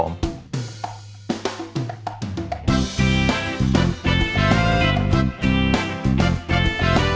มันก็ได้น